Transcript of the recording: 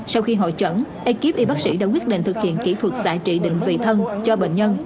sau khi hội trận ekip y bác sĩ đã quyết định thực hiện kỹ thuật giải trị định vị thân cho bệnh nhân